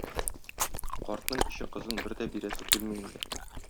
Картның кече кызын бер дә бирәсе килми инде.